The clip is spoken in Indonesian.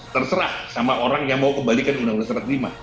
terserah sama orang yang mau kembalikan undang dasar empat puluh lima